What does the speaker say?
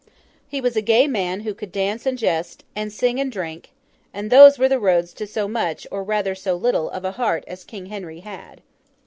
He was a gay man, who could dance and jest, and sing and drink; and those were the roads to so much, or rather so little, of a heart as King Henry had.